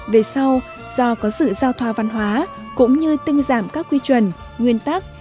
về sau do có sự giao thoa văn hóa cũng như tinh giảm các quy chuẩn nguyên tắc